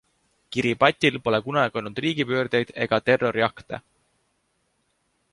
Kiribatil pole kunagi olnud riigipöördeid ega terroriakte.